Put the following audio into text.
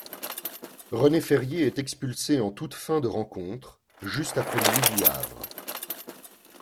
René Ferrier est expulsé en toute fin de rencontre, juste après Louis du Havre.